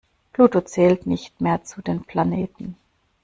Pluto zählt nicht mehr zu den Planeten.